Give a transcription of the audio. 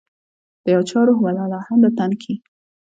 د یو چا روح و لا لهانده تن کي